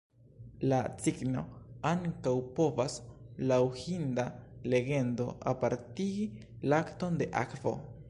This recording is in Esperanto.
La cigno ankaŭ povas, laŭ hinda legendo, apartigi lakton de akvo.